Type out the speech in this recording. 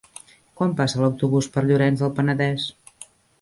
Quan passa l'autobús per Llorenç del Penedès?